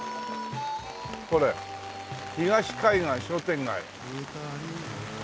これ「東海岸商店会」。